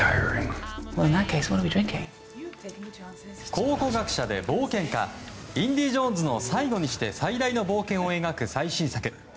考古学者で冒険家インディ・ジョーンズの最後にして最大の冒険を描く最新作。